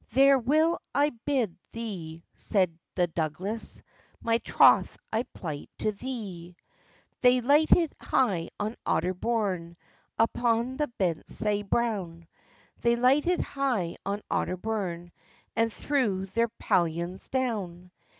— "There will I bide thee," said the Douglas, "My troth I plight to thee." They lighted high on Otterbourne, Upon the bent sae brown; They lighted high on Otterbourne, And threw their pallions down.